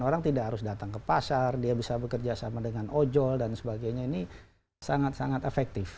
orang tidak harus datang ke pasar dia bisa bekerja sama dengan ojol dan sebagainya ini sangat sangat efektif